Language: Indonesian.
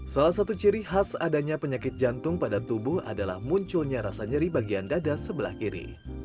salah satu ciri khas adanya penyakit jantung pada tubuh adalah munculnya rasa nyeri bagian dada sebelah kiri